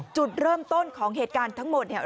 จุดเริ่มต้นของเหตุการณ์ทั้งหมดเนี่ย